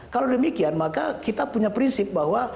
kalau demikian maka kita punya prinsip bahwa